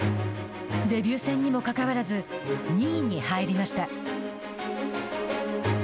デビュー戦にも関わらず２位に入りました。